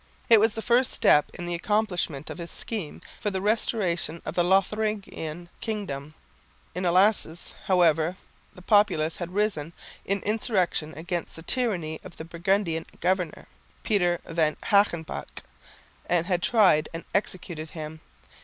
It was the first step in the accomplishment of his scheme for the restoration of the Lotharingian kingdom. In Elsass, however, the populace had risen in insurrection against the tyranny of the Burgundian governor, Peter van Hagenbach, and had tried and executed him.